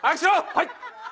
はい。